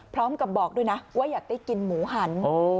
บอกด้วยนะว่าอยากได้กินหมูหัน